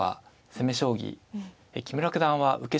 将棋木村九段は受け